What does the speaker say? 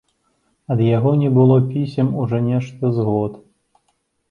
Ад яго не было пісем ужо нешта з год.